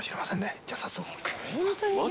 じゃあ、早速。